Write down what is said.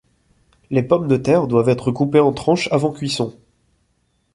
Les pommes de terre doivent être coupées en tranches avant cuisson.